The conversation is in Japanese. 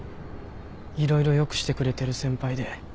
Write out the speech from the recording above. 色々よくしてくれてる先輩で。